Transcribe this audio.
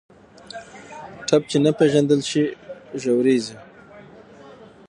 ټپ چې نه پېژندل شي، ژورېږي.